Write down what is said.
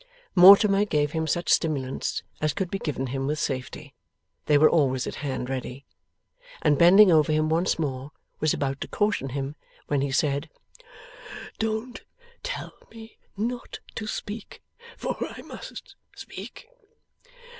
Mortimer gave him such stimulants as could be given him with safety (they were always at hand, ready), and bending over him once more, was about to caution him, when he said: 'Don't tell me not to speak, for I must speak.